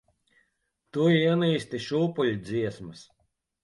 Tu ienīsti šūpuļdziesmas.